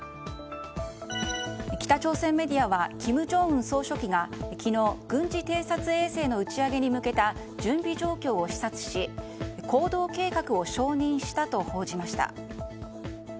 北朝鮮メディアは金正恩総書記が昨日、軍事偵察衛星の打ち上げに向けた準備状況を視察し行動計画を承認したと報じました。